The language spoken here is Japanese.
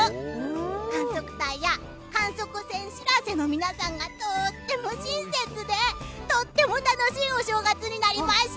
観測隊や観測船しらせの皆さんがとっても親切でとっても楽しいお正月になりました。